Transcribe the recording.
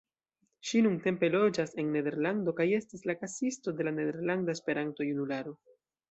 Ŝi nuntempe loĝas en Nederlando kaj estas la kasisto de la Nederlanda Esperanto-Junularo.